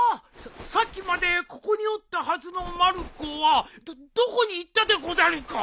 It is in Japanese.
さっきまでここにおったはずのまる子はどっどこにいったでござるか？